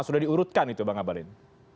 sudah diurutkan itu bang abalin